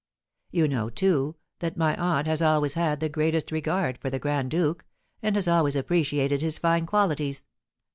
You know, too, that my aunt has always had the greatest regard for the grand duke, and has always appreciated his fine qualities.